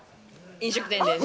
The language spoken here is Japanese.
飲食店です。